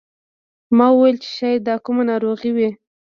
ما وویل چې شاید دا کومه ناروغي وي.